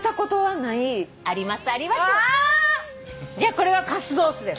これはカスドースです。